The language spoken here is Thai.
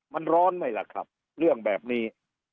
มันร้อนไหมล่ะครับเรื่องแบบนี้